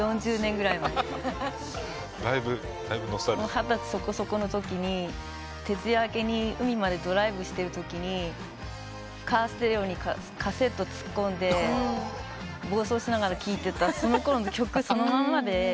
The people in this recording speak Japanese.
二十歳そこそこのときに徹夜明けに海までドライブしてるときにカーステレオにカセット突っ込んで暴走しながら聴いてたそのころの曲そのまんまで。